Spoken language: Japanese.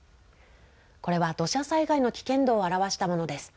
これは土砂災害の危険度を表したものです。